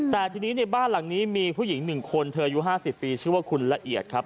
แต่ทีนี้ในบ้านหลังนี้มีผู้หญิง๑คนเธออายุ๕๐ปีชื่อว่าคุณละเอียดครับ